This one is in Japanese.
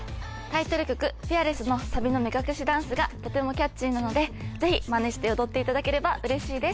タイトル曲『ＦＥＡＲＬＥＳＳ』のサビの目隠しダンスがとてもキャッチーなのでぜひマネして踊っていただければうれしいです。